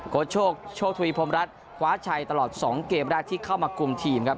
กดโชคโชคทุยพรมรัฐคว้าชัยตลอดสองเกมได้ที่เข้ามากลุ่มทีมครับ